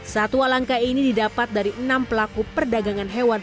satu alangkah ini didapat dari enam pelaku perdagangan hewan